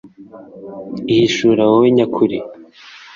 ihishura wowe nyakuri